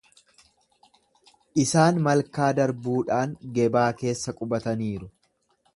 Isaan malkaa darbuudhaan Gebaa keessa qubataniiru.